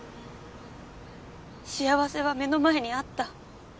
幸せは目の前にあった。